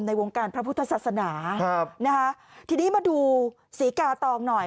ในวงการพระพุทธศาสนาทีนี้มาดูสีกาตองหน่อย